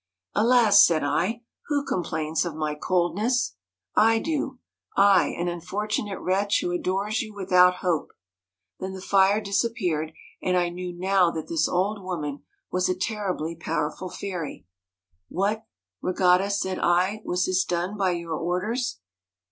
'"Alas !" said I, "who complains of my coldness?" *" I do I, an unfortunate wretch who adores you without hope." 'Then the fire disappeared, and I knew now that this old woman was a terribly powerful fairy. '"What, Ragotta," said I, "was this done by your orders